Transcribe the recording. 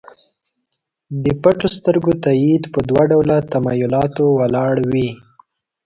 د پټو سترګو تایید په دوه ډوله تمایلاتو ولاړ وي.